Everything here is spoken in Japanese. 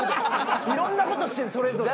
いろんなことしてるんですよ